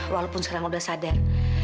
walaupun sekarang udah sadar